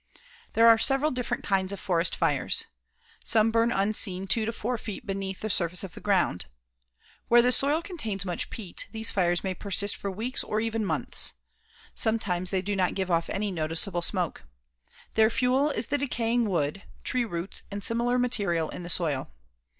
There are several different kinds of forest fires. Some burn unseen two to four feet beneath the surface of the ground. Where the soil contains much peat, these fires may persist for weeks or even months. Sometimes, they do not give off any noticeable smoke. Their fuel is the decaying wood, tree roots and similar material in the soil.